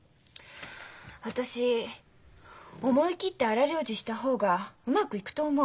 私思い切って荒療治した方がうまくいくと思う。